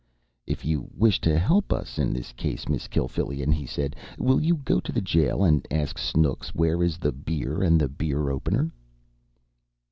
"If you wish to help us in this case, Miss Kilfillan," he said, "will you go to the jail and ask Snooks where is the beer and the beer opener?"